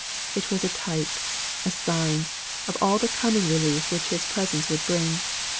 It was a type, a sign, of all the coming relief which his presence would bring.